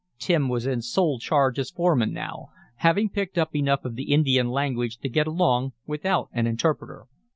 Tim was in sole charge as foreman now, having picked up enough of the Indian language to get along without an interpreter.